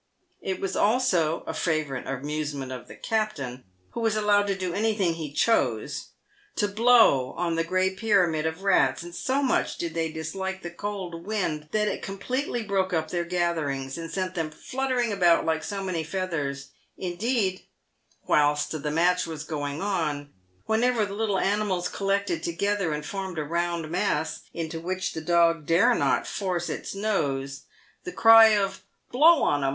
It was also a favourite amusement of the captain — who was allowed to do anything he chose — to blow on the grey pyramid of rats, and so much did they dislike the cold wind, that it completely broke up their gatherings, and sent them fluttering about like so many feathers ; indeed, whilst the match was going on, whenever the little animals collected together and formed a round mass, into which the dog dare not force its nose, 158 PAYED WITH GOLD. the cry of "Blow on 'em